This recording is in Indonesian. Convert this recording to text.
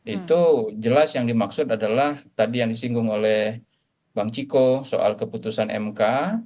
itu jelas yang dimaksud adalah tadi yang disinggung oleh bang ciko soal keputusan mk